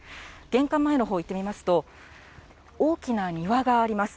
玄関前のほうに行ってみますと、大きな庭があります。